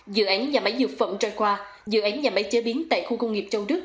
dự án nhà máy dược phẩm troi khoa dự án nhà máy chế biến tại khu công nghiệp châu đức